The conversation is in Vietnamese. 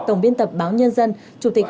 tổng biên tập báo nhân dân chủ tịch